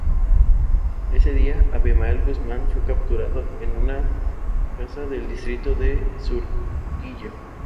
Los científicos explican los fenómenos describiendo los mecanismos que podrían producir los fenómenos.